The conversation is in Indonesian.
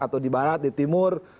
atau di barat di timur